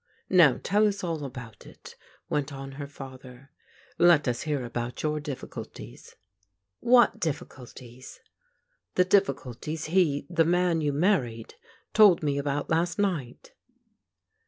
" Now tell us all about it," went on her father. " Let CIS hear about your difficulties." ''What difficulties?" " The difficulties he — the man — ^you married — told me about last night."